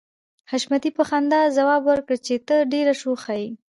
حشمتي په خندا ځواب ورکړ چې ته ډېره شوخه يې